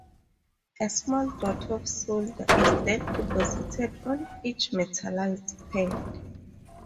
A small dot of solder is then deposited on each metalized pad.